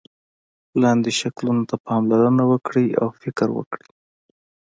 لاندې شکلونو ته پاملرنه وکړئ او فکر وکړئ.